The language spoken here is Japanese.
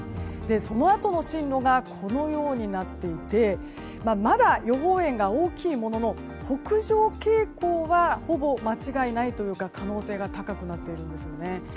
そのあとの進路がこのようになっていてまだ予報円が大きいものの北上傾向はほぼ間違いないというか可能性が高くなっているんですね。